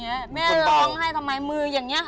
ตาแบบตาตาเหลืออย่างเงี้ยค่ะ